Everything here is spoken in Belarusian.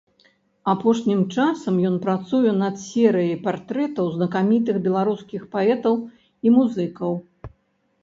Апошнім часам ён працуе над серый партрэтаў знакамітых беларускіх паэтаў і музыкаў.